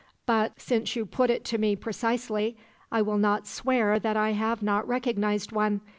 But, since you put it to me precisely, I will not swear that I have not recognized one.